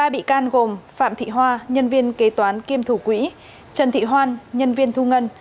ba bị can gồm phạm thị hoa nhân viên kế toán kiêm thủ quỹ trần thị hoan nhân viên thu ngân